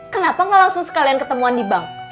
kenapa gak langsung sekalian ketemuan di bank